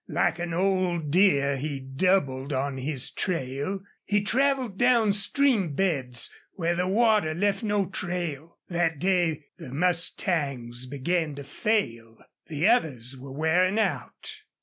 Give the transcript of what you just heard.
Like an old deer he doubled on his trail. He traveled down stream beds where the water left no trail. That day the mustangs began to fail. The others were wearing out.